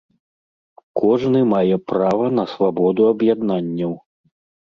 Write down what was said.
Кожны мае права на свабоду аб’яднанняў.